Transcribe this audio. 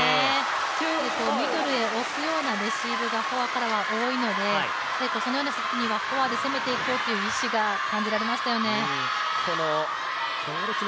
ミドルで押すようなレシーブがフォアからは多いのでそのような先にはフォアで攻めていこうという意識が感じられましたよね。